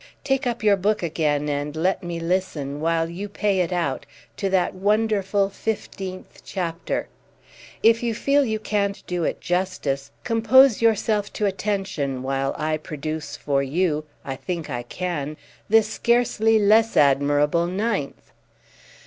Take up your book again and let me listen, while you pay it out, to that wonderful fifteenth chapter. If you feel you can't do it justice, compose yourself to attention while I produce for you—I think I can!—this scarcely less admirable ninth."